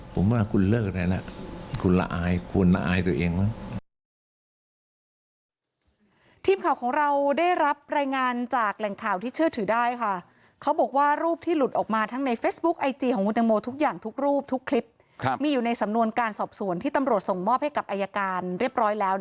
ผมว่าคุณเลิกแล้วนะคุณละอายคุณละอายตัวเองไหม